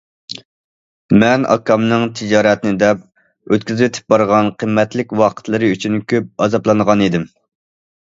مەن ئاكامنىڭ تىجارەتنى دەپ ئۆتكۈزۈۋېتىپ بارغان قىممەتلىك ۋاقىتلىرى ئۈچۈن كۆپ ئازابلانغانىدىم.